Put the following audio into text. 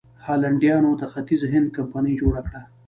هالنډیانو د ختیځ هند کمپنۍ جوړه کړه.